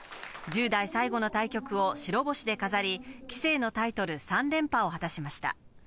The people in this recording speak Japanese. １０代最後の対局を白星で飾り、棋聖のタイトル３連覇を果たしました。